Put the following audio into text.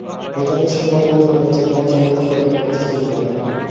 ভোটারদের সঙ্গে কথা বলে জানা গেছে, মোয়াজ্জেম নতুন করে কোনো প্রতিশ্রুতি দেননি।